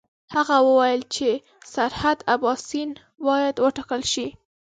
هغه وویل چې سرحد اباسین باید وټاکل شي.